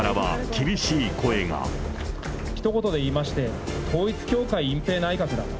ひと言で言いまして、統一教会隠蔽内閣だと。